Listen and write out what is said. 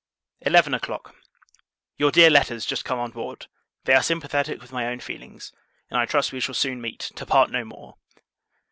Eleven o'Clock. Your dear letters just come on board. They are sympathetic with my own feelings; and, I trust, we shall soon meet, to part no more!